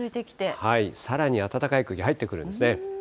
さらに暖かい空気入ってくるんですね。